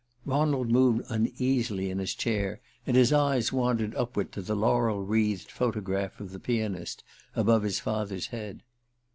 Ronald moved uneasily in his chair and his eyes wandered upward to the laurel wreathed photograph of the pianist above his father's head.